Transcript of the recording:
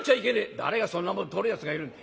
「誰がそんなもんとるやつがいるんだ」。